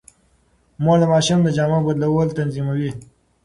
مور د ماشوم د جامو بدلول تنظيموي.